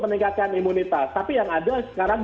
meningkatkan imunitas tapi yang ada sekarang